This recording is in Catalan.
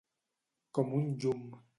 Com un llum.